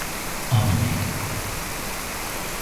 アニメ